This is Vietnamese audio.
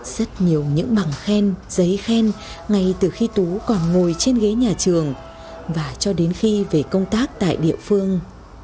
rất nhiều những bằng khen giấy khen ngay từ khi tú còn ngồi trên ghế nhà trường và cho đến khi về công tác tại địa phương